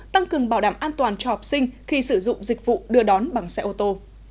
tăng cường bảo đảm an toàn cho học sinh khi sử dụng dịch vụ đưa đón bằng xe ô tô